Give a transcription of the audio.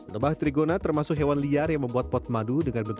lebah trigona termasuk hewan liar yang membuat tanaman tertentu